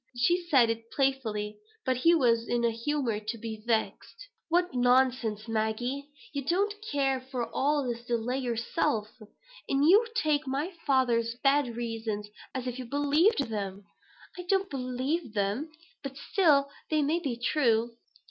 She said it playfully, but he was in a humor to be vexed. "What nonsense, Maggie! You don't care for all this delay yourself; and you take up my father's bad reasons as if you believed them." "I don't believe them; but still they may be true."